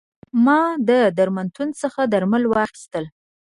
ما له درملتون څخه درمل واخیستل.